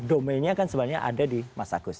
domainnya kan sebenarnya ada di mas agus